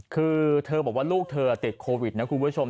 คือเธอบอกว่าลูกเธอติดโควิดนะคุณผู้ชม